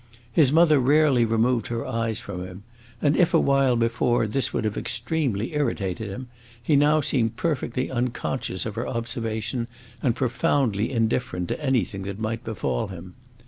His mother rarely removed her eyes from him; and if, a while before, this would have extremely irritated him, he now seemed perfectly unconscious of her observation and profoundly indifferent to anything that might befall him.